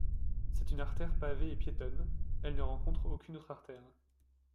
C'est une artère pavée et piétonne, elle ne rencontre aucune autre artère.